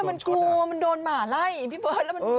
มันชูมันโดนหมาไล่พี่เบิร์ต